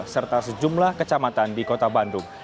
serta sejumlah kecamatan di kota bandung